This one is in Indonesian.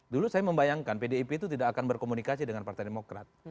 dulu saya membayangkan pdip itu tidak akan berkomunikasi dengan partai demokrat